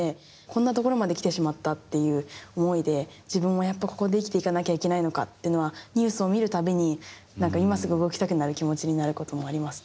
こんなところまできてしまったっていう思いで自分もやっぱここで生きていかなきゃいけないのかっていうのはニュースを見るたびに何か今すぐ動きたくなる気持ちになることもあります。